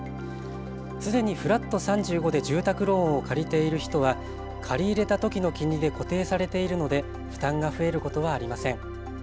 すでにフラット３５で住宅ローンを借りている人は借り入れたときの金利で固定されているので負担が増えることはありません。